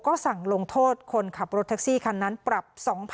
ก็สั่งลงโทษคนขับรถแท็กซี่คันนั้นปรับ๒๐๐๐